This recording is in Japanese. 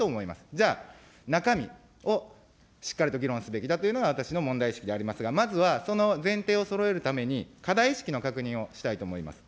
じゃあ、中身をしっかりと議論すべきだというのが、私の問題意識でありますが、まずはその前提をそろえるために課題意識の確認をしたいと思います。